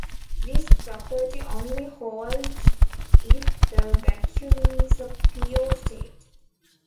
This property only holds if the vacuum is a pure state.